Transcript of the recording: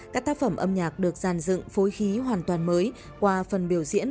các tác phẩm âm nhạc được giàn dựng phối khí hoàn toàn mới qua phần biểu diễn